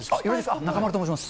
中丸と申します。